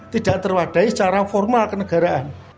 tidak terwadai secara formal kenegaraan